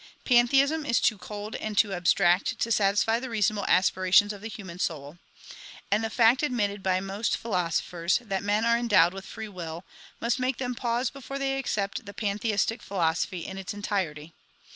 Pantheism is too cold and too abstract to satisfy the reasonable aspirations of the human soul. And the fact admitted by most philosophers, that men are endowed with free will, must make them pause before they accept the pantheistic philosophy in its entirety.